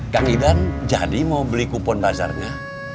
kang idan jadi mau beli kupon pazarnya